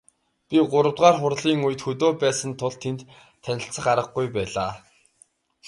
Би гуравдугаар хурлын үед хөдөө байсан тул тэнд танилцах аргагүй байлаа.